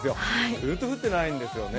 ずーっと降ってないんですね。